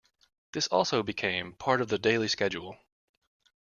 This also became part of the daily schedule.